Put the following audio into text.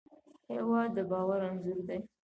هېواد د باور انځور دی.